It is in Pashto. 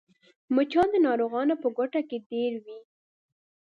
مچان د ناروغانو په کوټه کې ډېر وي